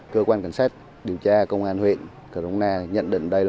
cơ quan cảnh sát điều tra công an huyện cromana nhận định